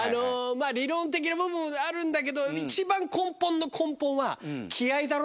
理論的な部分あるんだけど一番根本の根本は。